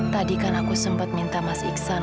tadi kan aku sempat minta mas iksan